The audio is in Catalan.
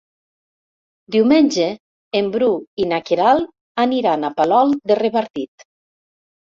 Diumenge en Bru i na Queralt aniran a Palol de Revardit.